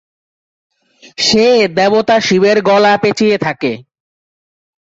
সে দেবতা শিবের গলা পেঁচিয়ে থাকে।